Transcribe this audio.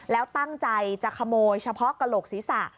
แล้วตั้งใจจะขโมยเฉพาะกระโหลกศีรษะ